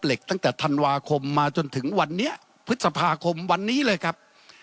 ตั้งแต่ธันวาคมมาจนถึงวันนี้พฤษภาคมวันนี้เลยครับ